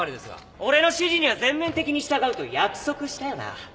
俺の指示には全面的に従うと約束したよな？